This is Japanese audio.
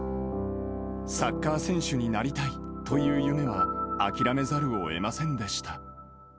サッカー選手になりたいという夢は諦めざるをえませんでした。